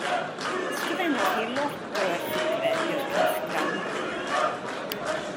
Sgrifennodd hi lot o erthyglau i'r cylchgrawn.